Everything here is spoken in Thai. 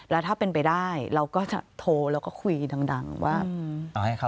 แล้วถ้าเป็นไปได้เราก็จะโทรแล้วก็คุยดังว่า